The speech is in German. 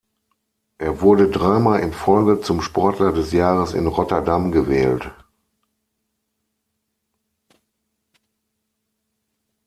Er wurde dreimal in Folge zum Sportler des Jahres in Rotterdam gewählt.